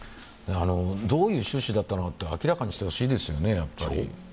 どういう趣旨だったのかを明らかにしてほしいですよね。